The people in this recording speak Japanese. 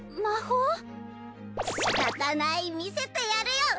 しかたない見せてやるよ！